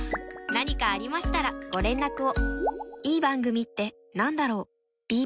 何かありましたらご連絡を。